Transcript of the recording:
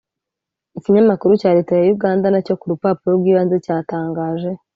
ikinyamakuru cya leta ya uganda, , na cyo ku rupapuro rw’ibanze cyatangaje